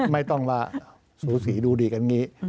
ไม่ต้องมาสูสีดูดีกันอย่างนี้